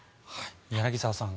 柳澤さん